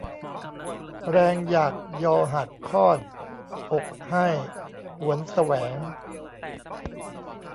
แรงอยากยอหัตถ์ข้อน อกให้หวนแสวง